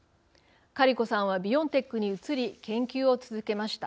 カリコさんはビオンテックに移り研究を続けました。